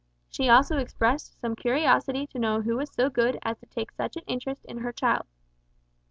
She also expressed some curiosity to know who was so good as to take such an interest in her child.